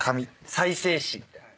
再生紙みたいな。